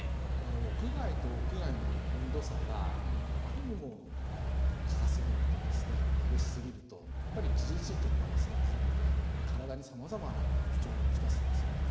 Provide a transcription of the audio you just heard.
屋外と屋内の温度差があまりにも高すぎると激しすぎると自律神経のバランスが崩れて体に様々な不調を来すんですよね。